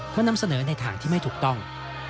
นำเสนอในทางที่ไม่ถูกต้อง